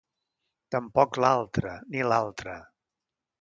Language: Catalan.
Tampoc l'altra ni l'altra.